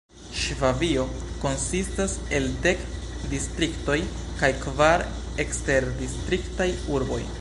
Ŝvabio konsistas el dek distriktoj kaj kvar eksterdistriktaj urboj.